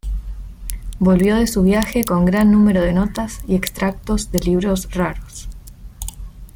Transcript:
Volvió de su viaje con gran número de notas y extractos de libros raros.